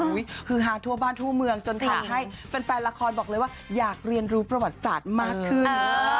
คือฮาทั่วบ้านทั่วเมืองจนทำให้แฟนละครบอกเลยว่าอยากเรียนรู้ประวัติศาสตร์มากขึ้น